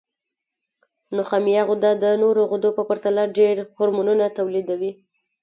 نخامیه غده د نورو غدو په پرتله ډېر هورمونونه تولیدوي.